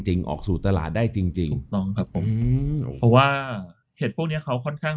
จริงออกสู่ตลาดได้จริงเพราะว่าเห็ดพวกนี้เขาค่อนข้าง